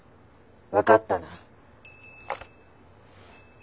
分かったな。